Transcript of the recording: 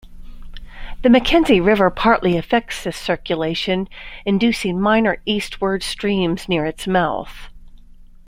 The Mackenzie River partly affects this circulation inducing minor eastwards streams near its mouth.